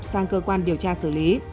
sang cơ quan điều tra xử lý